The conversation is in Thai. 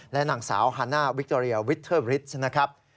และนางสาวฮาน่าวิคโตเรียวิทเทอร์บริสนะครับ